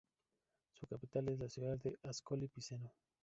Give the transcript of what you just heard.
Su capital es la ciudad de Ascoli Piceno.